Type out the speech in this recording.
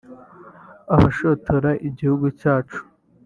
Abashotora igihugu cyacu